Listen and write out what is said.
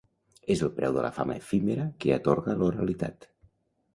És el preu de la fama efímera que atorga l'oralitat.